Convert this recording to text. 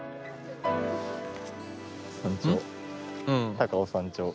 高尾山頂。